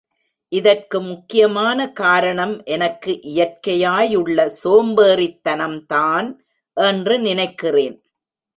இதற்கு முக்கியமான காரணம் எனக்கு இயற்கையாயுள்ள சோம்பேறித்தனம்தான் என்று நினைக்கிறேன்.